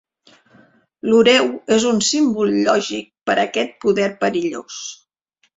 L'ureu és un símbol lògic per a aquest poder perillós.